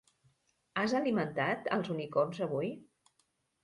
Has alimentat als unicorns avui?